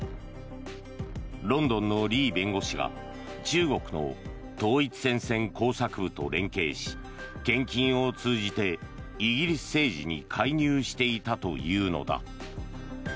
ロンドンのリー弁護士が中国の統一戦線工作部と連携し献金を通じてイギリス政治に介入していたというのだ。